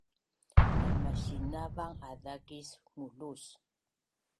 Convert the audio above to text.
na masinavang azakis ngulus